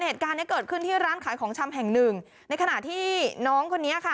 เหตุการณ์เนี้ยเกิดขึ้นที่ร้านขายของชำแห่งหนึ่งในขณะที่น้องคนนี้ค่ะ